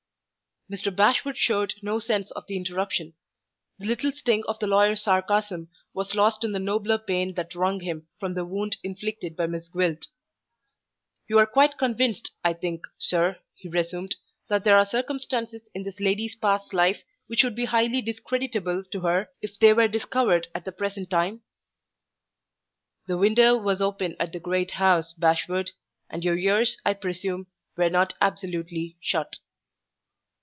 Mr. Bashwood showed no sense of the interruption. The little sting of the lawyer's sarcasm was lost in the nobler pain that wrung him from the wound inflicted by Miss Gwilt. "You are quite convinced, I think, sir," he resumed, "that there are circumstances in this lady's past life which would be highly discreditable to her if they were discovered at the present time?" "The window was open at the great house, Bashwood; and your ears, I presume, were not absolutely shut."